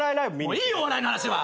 もういいよお笑いの話は。